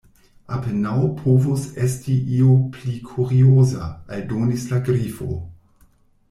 "Apenaŭ povus esti io pli kurioza," aldonis la Grifo.